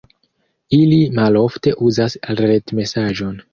Ili malofte uzas retmesaĝon.